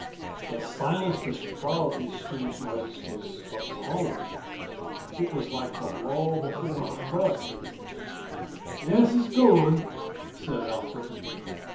The silence which followed these strange noises was appalling. It was like the lull before a hurricane. "Gas is gone," said Alfred.